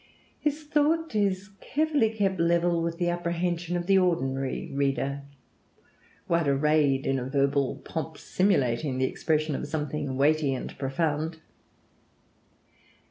His thought is carefully kept level with the apprehension of the ordinary reader, while arrayed in a verbal pomp simulating the expression of something weighty and profound.